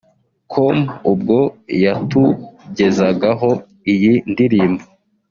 com ubwo yatugezagaho iyi ndirimbo